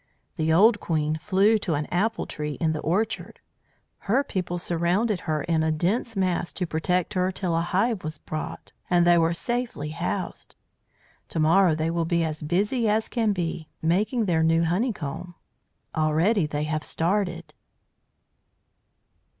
The old queen flew to an apple tree in the orchard; her people surrounded her in a dense mass to protect her till a hive was brought and they were safely housed. To morrow they will be as busy as can be, making their new honeycomb. Already they have started."